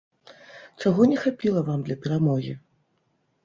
Чаго не хапіла вам для перамогі?